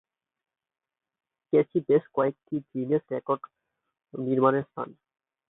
Cassie বেশ কয়েকটি Guinness বিশ্ব রেকর্ড নির্মাণের স্থান।